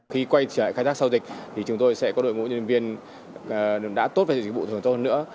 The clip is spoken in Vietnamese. khi quay trở lại khai thác sau dịch thì chúng tôi sẽ có đội ngũ nhân viên đã tốt về dịch vụ thường tốt hơn nữa